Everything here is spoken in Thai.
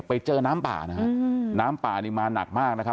ไปเจอน้ำป่านะฮะน้ำป่านี่มาหนักมากนะครับ